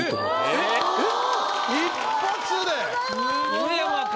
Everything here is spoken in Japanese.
えっ？